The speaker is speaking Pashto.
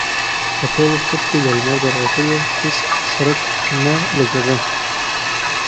په ټول افق کې د لمر د راوتلو هېڅ څرک نه لګېده.